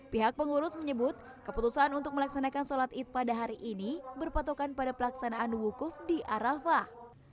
pihak pengurus menyebut keputusan untuk melaksanakan sholat id pada hari ini berpatokan pada pelaksanaan wukuf di arafah